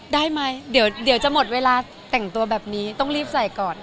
ได้ไหมเดี๋ยวจะหมดเวลาแต่งตัวแบบนี้ต้องรีบใส่ก่อน